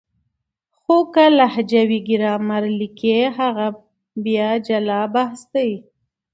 خو که لهجوي ګرامر ليکي هغه بیا جلا بحث دی.